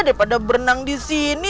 daripada berenang di sini